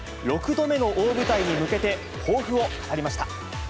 ６度目の大舞台に向けて、抱負を語りました。